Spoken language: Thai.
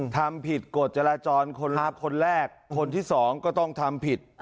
ทำผิดกฎจราจรคนรับคนแรกคนที่สองก็ต้องทำผิด